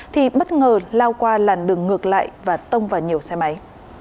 thì bất ngờ lao qua làn đường ngược lại và tông vào nhiều xe máy